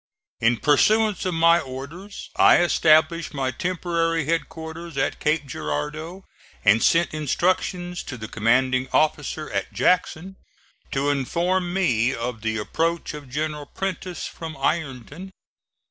In pursuance of my orders I established my temporary headquarters at Cape Girardeau and sent instructions to the commanding officer at Jackson, to inform me of the approach of General Prentiss from Ironton.